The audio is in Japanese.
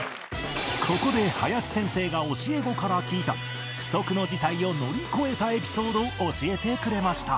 ここで林先生が教え子から聞いた不測の事態を乗り越えたエピソードを教えてくれました